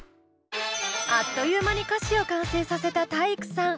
あっという間に歌詞を完成させた体育さん。